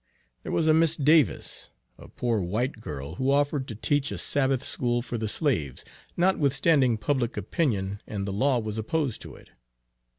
There was a Miss Davis, a poor white girl, who offered to teach a Sabbath School for the slaves, notwithstanding public opinion and the law was opposed to it.